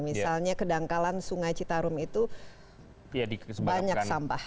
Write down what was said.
misalnya kedangkalan sungai citarum itu banyak sampah